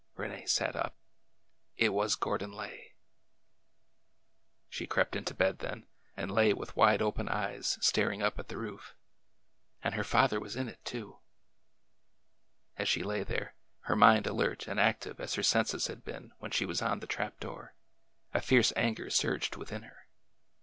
Rene sat up. It was Gordon Lay ! She crept into bed then, and lay with wide open eyes staring up at the roof. And her father was in it, too 1 As she lay there, her mind alert and active as her senses had been when she was on the trap door, a fierce anger surged within her.